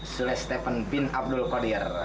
sule stepan bin abdul qadir